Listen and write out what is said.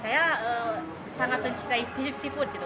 saya sangat mencintai seafood gitu